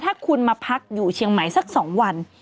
ถ้าคุณมาพักอยู่เชียงใหม่สัก๒วัน